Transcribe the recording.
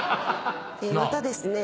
またですね。